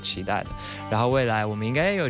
ชื่อว่าเอิ้นด่าพาวจู๊